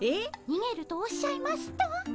にげるとおっしゃいますと？